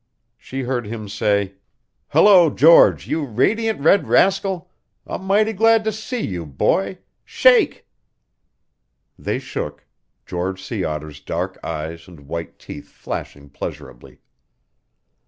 She heard him say: "Hello, George, you radiant red rascal! I'm mighty glad to see you, boy. Shake!" They shook, George Sea Otter's dark eyes and white teeth flashing pleasurably.